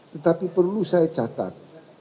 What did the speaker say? tetapi perlu saya catat